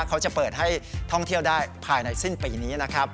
เขาจะเปิดให้ท่องเที่ยวได้ภายในสิ้นปีนี้นะครับ